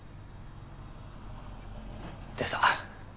でさ。